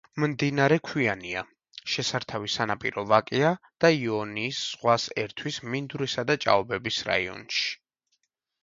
მდინარე ქვიანია, შესართავი სანაპირო ვაკეა და იონიის ზღვას ერთვის მინდვრისა და ჭაობების რაიონში.